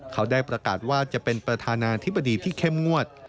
เขาได้ประกาศว่าจะเป็นประธานาธิบดีที่เข้มงวด